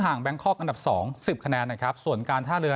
แบงคอกอันดับสองสิบคะแนนนะครับส่วนการท่าเรือ